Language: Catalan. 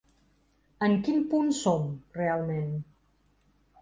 En quin punt som realment?